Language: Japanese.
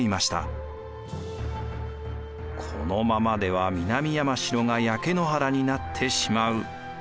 「このままでは南山城が焼け野原になってしまう」。